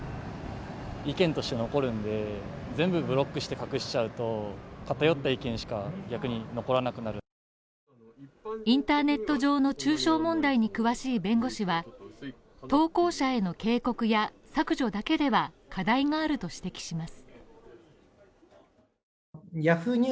こうした対応について街で聞いてみると一般インターネット上の中傷問題に詳しい弁護士は投稿者への警告や削除だけでは課題があると指摘します。